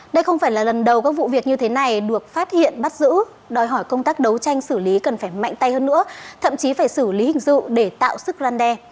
đây không phải là lần đầu các vụ việc như thế này được phát hiện bắt giữ đòi hỏi công tác đấu tranh xử lý cần phải mạnh tay hơn nữa thậm chí phải xử lý hình sự để tạo sức răn đe